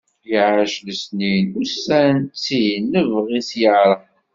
Iɛac lesnin, ussan ttin, lebɣi-s yeɛreq.